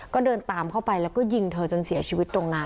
ก็เดินตามเข้าไปแล้วก็ยิงเธอจนเสียชีวิตตรงนั้น